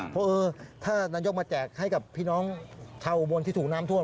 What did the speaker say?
เพราะถ้านายกมาแจกให้กับพี่น้องเท่าบนที่สูงน้ำทวน